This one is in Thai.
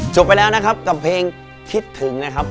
จบไปแล้วกับเพลงคิดถึงนะครับ